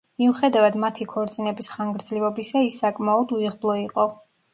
მიუხედავად მათი ქორწინების ხანგრძლივობისა, ის საკმაოდ უიღბლო იყო.